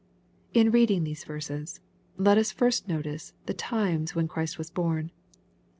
In reading these verses, let us first notice the times when Christ was born.